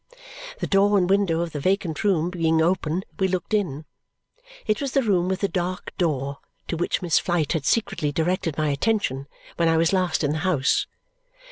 The door and window of the vacant room being open, we looked in. It was the room with the dark door to which Miss Flite had secretly directed my attention when I was last in the house.